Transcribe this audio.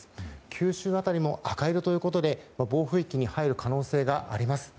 九州辺りも赤色ということで暴風域に入る可能性があります。